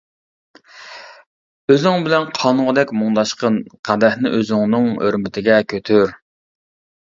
ئۆزۈڭ بىلەن قانغۇدەك مۇڭداشقىن. قەدەھنى ئۆزۈڭنىڭ ھۆرمىتىگە كۆتۈر!